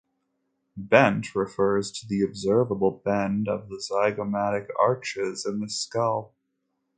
"Bent" refers to the observable bend of the zygomatic arches in the skull.